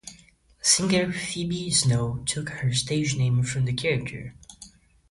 Singer Phoebe Snow took her stage name from the character.